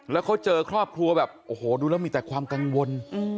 แล้วเขาเจอครอบครัวแบบโอ้โหดูแล้วมีแต่ความกังวล